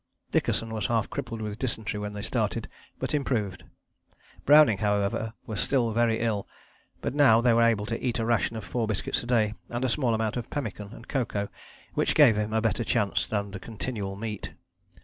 Dickason was half crippled with dysentery when they started, but improved. Browning, however, was still very ill, but now they were able to eat a ration of four biscuits a day and a small amount of pemmican and cocoa which gave him a better chance than the continual meat.